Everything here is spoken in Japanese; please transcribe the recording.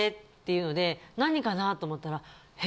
言うので何かな？と思ったら。